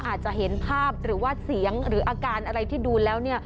อาจจะเห็นภาพหรือว่าเสียงหรืออาการอะไรที่ดูแล้วเนี่ย